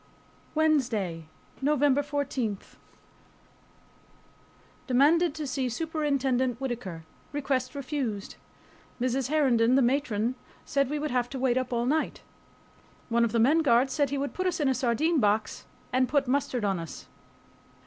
WEDNESDAY, NOVEMBER 14. Demanded to see Superintendent Whittaker. Request refused. Mrs. Herndon, the matron, said we would have to wait up all night. One of the men guards said he would "put us in sardine box and put mustard on us."